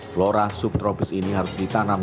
flora subtrobes ini harus ditanam